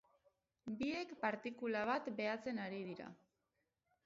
Biek partikula bat behatzen ari dira.